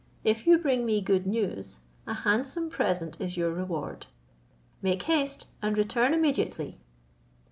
If you bring me good news, a handsome present is your reward: make haste, and return immediately."